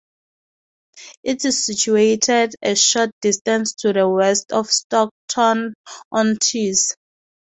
It is situated a short distance to the west of Stockton-on-Tees.